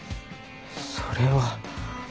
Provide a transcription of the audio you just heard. それは。